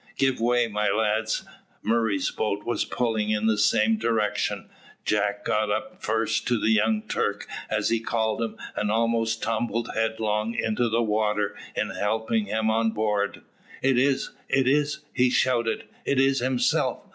"Give way, my lads." Murray's boat was pulling in the same direction. Jack got up first to the young Turk, as he called him, and almost tumbled headlong into the water in helping him on board. "It is, it is," he shouted; "it is himself!